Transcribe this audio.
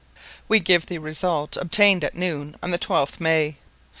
We give the result obtained at noon on the 12th May.